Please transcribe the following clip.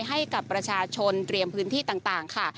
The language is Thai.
ให้กับประชาชนเตรียมพื้นที่ต่างค่ะ